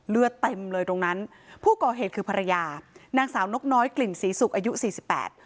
เลือดเต็มเลยตรงนั้นผู้ก่อเหตุคือภรรยานางสาวนกน้อยกลิ่นศรีสุกอายุสี่สิบแปด